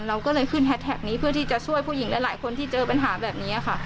เราก็เลยขึ้นแฮสแท็กนี้เพื่อที่จะช่วยผู้หญิงหลายคนที่เจอปัญหาแบบนี้ค่ะ